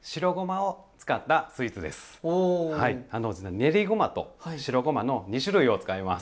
練りごまと白ごまの２種類を使います。